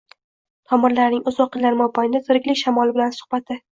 tomirlarning uzoq yillar mobaynida tiriklik shamoli bilan suhbati